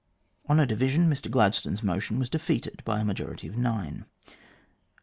On a division, Mr Gladstone's motion was defeated by a majority of nine.